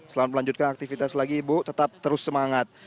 selamat melanjutkan aktivitas lagi ibu tetap terus semangat